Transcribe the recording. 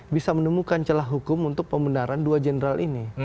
bisa menemukan celah hukum untuk pembenaran dua jenderal ini